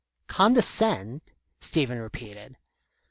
"Condescend!" Stephen repeated.